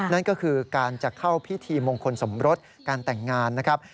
นั่นก็คือการจะเข้าพิธีมงคลสมรสการแต่งงานนะครับ